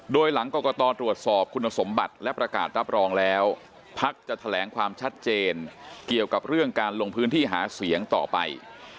โดยหลังกรกตตรวจสอบคุณสมบัติและประกาศรับรองแล้วพักจะแถลงความชัดเจนเกี่ยวกับเรื่องการลงพื้นที่หาเสียงต่อไป